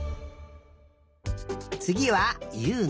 つぎはゆうな。